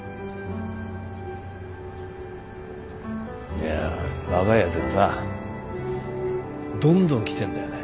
いや若いやつがさどんどん来てんだよね。